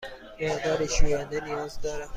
مقداری شوینده نیاز دارم.